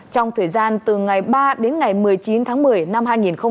trong thời gian từ ngày ba đến ngày một mươi chín tháng một mươi năm hai nghìn một mươi chín